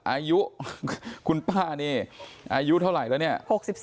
อายุคุณป้านี่อายุเท่าไหร่แล้วเนี่ย